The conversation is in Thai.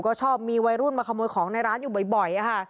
ก็ชอบมีวัยรุ่นมาขโมยของในร้านอยู่บ่อยค่ะ